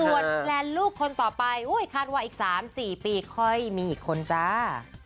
ส่วนแลนด์ลูกคนต่อไปคาดว่าอีก๓๔ปีค่อยมีอีกคนจ้า